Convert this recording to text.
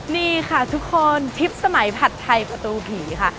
นี่ค่ะทุกคนทริปสมัยผัดไทยประตูผีค่ะ